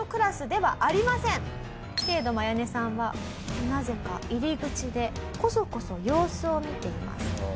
けれどもアヤネさんはなぜか入り口でコソコソ様子を見ています。